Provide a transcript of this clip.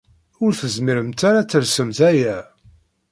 Ur tezmiremt ara ad telsemt aya.